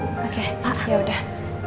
oke pak ya udah